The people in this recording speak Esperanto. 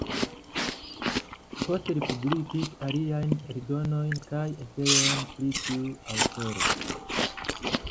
Poste li publikis aliajn eldonojn kaj eseojn pri tiu aŭtoro.